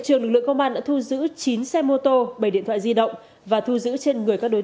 trường lực lượng công an đã thu giữ chín xe mô tô bảy điện thoại di động và thu giữ trên người các đối